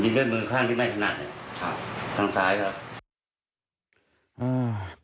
ก็ยิงด้านมือข้างไปไม่ชนะข้างซ้ายครับ